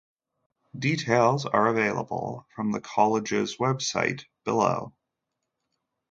Details are available from the college's web site, below.